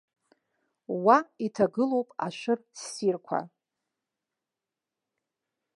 Уа иҭагылоуп ашәыр ссирқәа.